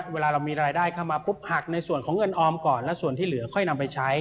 เวลาเรามีรายได้เข้ามาปุ๊บหักในส่วนของเงินออมก่อนและส่วนที่เหลือค่อยนำไปใช้